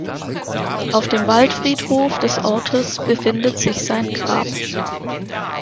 Auf dem Waldfriedhof des Ortes befindet sich sein Grab.